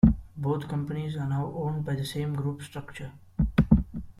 Both companies are now owned by the same group structure.